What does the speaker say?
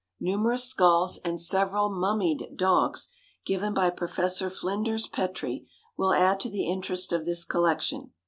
Numerous skulls, and several mummied dogs, given by Professor Flinders Petrie, will add to the interest of this collection.